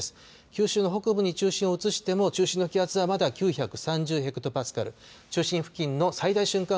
九州の北部に中心を移しても、中心の気圧はまだ９３０ヘクトパスカル、中心付近の最大瞬間